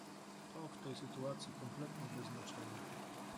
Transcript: To w tej sytuacji kompletnie bez znaczenia.